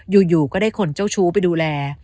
อยู่ก็ได้คนเจ้าชู้ไปดูแล